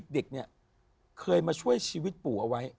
เด็กเนี่ยเคยมาช่วยชีวิตปู่เอาไว้